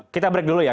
kita break dulu ya